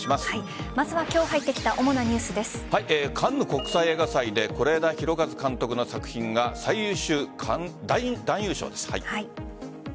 まずは今日入ってきたカンヌ国際映画祭で是枝裕和監督の作品が最優秀男優賞です。